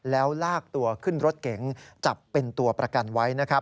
แล้วลากตัวขึ้นรถเก๋งจับเป็นตัวประกันไว้นะครับ